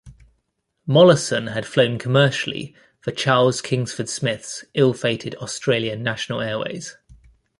Mollison had flown commercially for Charles Kingsford Smith's ill-fated Australian National Airways.